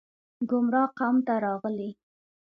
ګمراه قوم ته راغلي